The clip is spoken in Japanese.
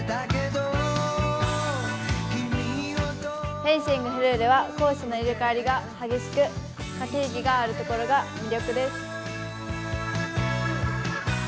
フェンシングフルーレは攻守の入れ替代わりが激しく、駆け引きがあるところが魅力です。